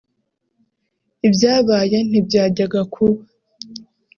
ibyabaye ntibyajyaga kuba